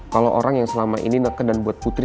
kalo orang yang selama ini neken dan buat putri